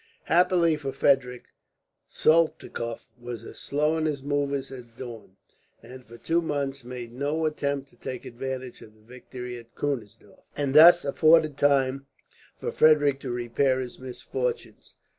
Happily for Frederick, Soltikoff was as slow in his movements as Daun, and for two months made no attempt to take advantage of the victory of Kunersdorf, and thus afforded time to Frederick to repair his misfortunes.